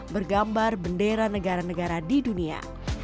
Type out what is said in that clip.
bergambar bendera negara negara di dunia